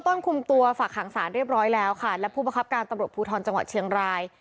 คุมตัวฝากหางศาลเรียบร้อยแล้วค่ะและผู้ประคับการตำรวจภูทรจังหวัดเชียงราย